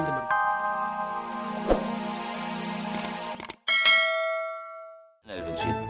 gak ada dosit